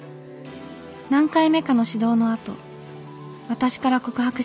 何回目かの指導のあと私から告白しました。